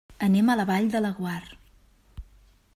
Anem a la Vall de Laguar.